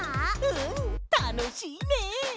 うんたのしいね！